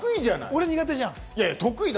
俺、苦手じゃない。